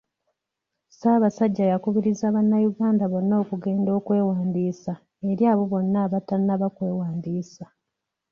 Ssaabasajja yakubiriza bannayuganda bonna okugenda okwewandiisa eri abo bonna abatannaba kwewandiisa.